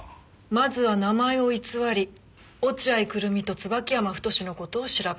まずは名前を偽り落合久瑠実と椿山太の事を調べた。